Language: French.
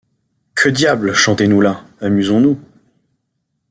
Que diable ! chantez-nous-la, amusons-nous.